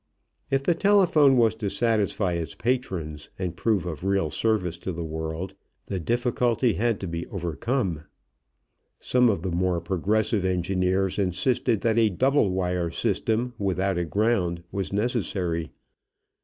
If the telephone was to satisfy its patrons and prove of real service to the world, the difficulty had to be overcome. Some of the more progressive engineers insisted that a double wire system without a ground was necessary.